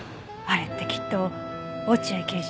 あれってきっと落合刑事の事。